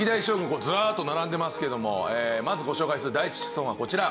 こうズラーッと並んでますけどもまずご紹介する第１シソンはこちら。